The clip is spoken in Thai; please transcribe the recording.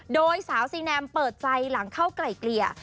โดยสาวซีแนมเปิดใจหลังเข้าไกลเกลี่ย